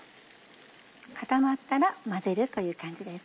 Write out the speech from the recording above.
固まったら混ぜるという感じです。